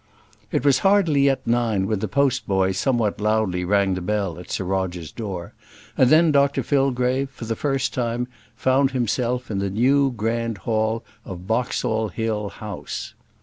It was hardly yet nine when the post boy somewhat loudly rang the bell at Sir Roger's door; and then Dr Fillgrave, for the first time, found himself in the new grand hall of Boxall Hill house.